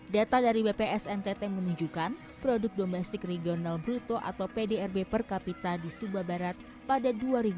data dari bps ntt menunjukkan produk domestik regional bruto atau pdrb per kapita di sumba barat pada dua ribu dua puluh